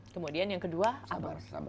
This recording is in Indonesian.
kemudian yang kedua sabar